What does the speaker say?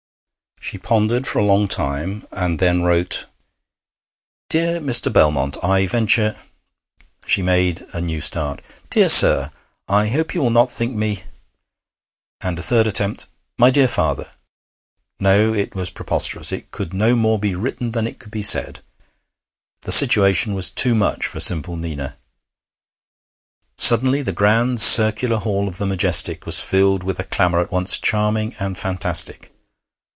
She pondered for a long time, and then wrote: 'Dear Mr. Belmont, I venture ' She made a new start: 'Dear Sir, I hope you will not think me ' And a third attempt: 'My dear Father ' No! it was preposterous. It could no more be written than it could be said. The situation was too much for simple Nina. Suddenly the grand circular hall of the Majestic was filled with a clamour at once charming and fantastic.